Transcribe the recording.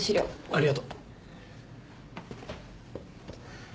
ありがとう。